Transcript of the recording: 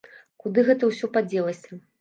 Куды гэта ўсё падзелася?!